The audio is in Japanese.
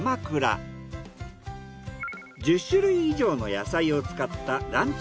１０種類以上の野菜を使ったランチ